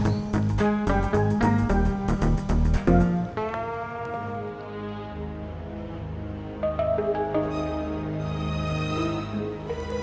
iya pak jai